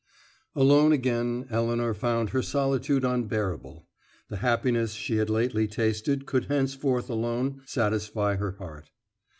XI Alone again, Elinor found her solitude unbearable; the happiness she had lately tasted could henceforth alone satisfy her heart.